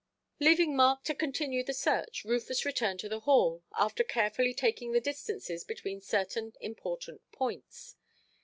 Leaving Mark to continue the search, Rufus returned to the Hall, after carefully taking the distances between certain important points.